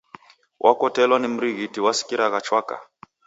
Wakotelwa ni mrighiti wasikiragha chwaka?